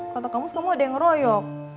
kata kang mus kamu ada yang ngeroyok